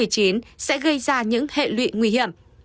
covid một mươi chín sẽ gây ra những hệ lụy nguy hiểm